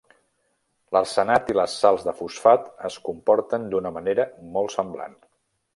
L'arsenat i les sals de fosfat es comporten d'una manera molt semblant.